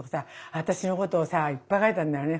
私のことをさいっぱい書いてあんだよね